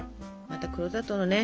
また黒砂糖のね